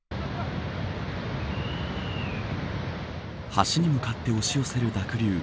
橋に向かって押し寄せる濁流。